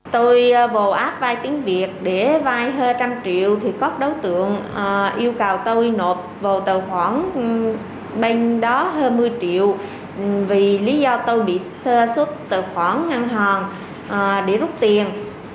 tôi vô app vay tín việt để vay hơn một trăm linh triệu thì có đối tượng yêu cầu tôi nộp vào tờ khoản bên đó hơn một mươi triệu vì lý do tôi bị sơ xuất tờ khoản ngân hàng để rút tiền